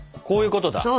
こういうことだ！